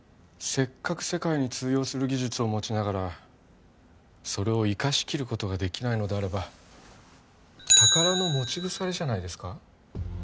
せっかく世界に通用する技術を持ちながらそれを生かし切ることができないのであれば宝の持ち腐れじゃないですか？